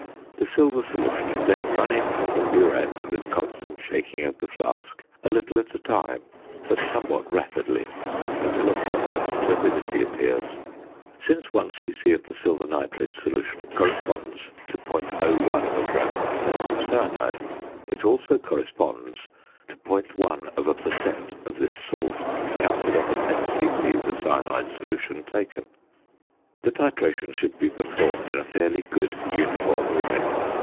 The silver solution is then run in from the burette (with constant shaking of the flask), a little at a time but somewhat rapidly, until a permanent turbidity appears. Since 1 c.c. of the silver nitrate solution corresponds to .01 gram of potassium cyanide, it also corresponds to .1 per cent. of this salt counted on the 10 c.c. of cyanide solution taken. The titration should be performed in a fairly good uniform light.